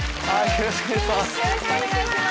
よろしくお願いします。